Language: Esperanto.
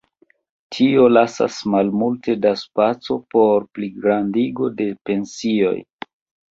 Tio lasas malmulte da spaco por pligrandigo de pensioj.